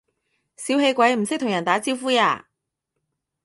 小氣鬼，唔識同人打招呼呀？